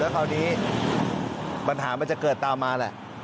คราวนี้ปัญหามันจะเกิดตามมาแหละ